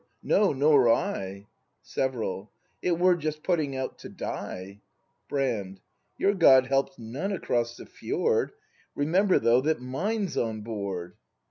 No, nor I. Several. It were just putting out to die! Brand. Your God helps none across the fjord; Remember, though, that mine's on board!